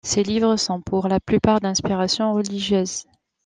Ses livres sont pour la plupart d'inspiration religieuse.